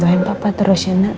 doain papa terus ya nak